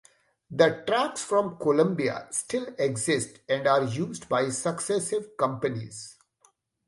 The tracks from Columbia still exist and are used by successive companies.